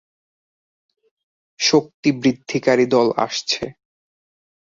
শক্তিবৃদ্ধিকারী দল আসছে।